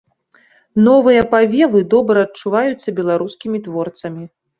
Новыя павевы добра адчуваюцца беларускімі творцамі.